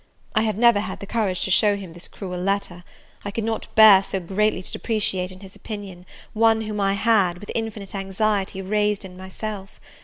I have never had the courage to show him this cruel letter; I could not bear so greatly to depreciate in his opinion, one whom I had, with infinite anxiety, raised in it myself.